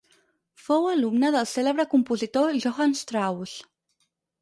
Fou alumne del cèlebre compositor Johann Strauss.